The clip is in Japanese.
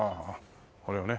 これをね